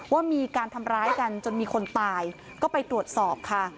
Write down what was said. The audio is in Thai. ว่ามีการทำร้ายกันจนมีคนตายก็ไปตรวจสอบค่ะ